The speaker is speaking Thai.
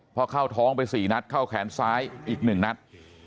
เพราะเข้าท้องไปสี่นัดเข้าแขนซ้ายอีกหนึ่งนัด